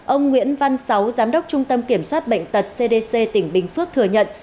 ông nguyễn văn sáu giám đốc trung tâm kiểm soát bệnh tật cdc tỉnh bình phước thừa nhận